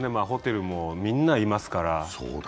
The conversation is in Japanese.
ホテルもみんないますから。